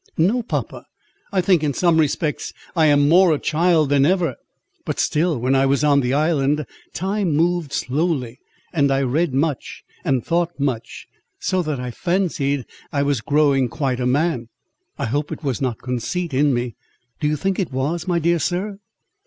"No, papa; I think, in some respects, I am more a child than ever; but still, when I was on the island, time moved slowly; and I read much, and thought much, so that I fancied I was growing quite a man. I hope it was not conceit in me—do you think it was, my dear sir?"